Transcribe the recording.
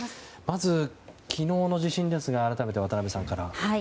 まず、昨日の地震ですが改めて渡辺さんから。